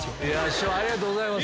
師匠ありがとうございます。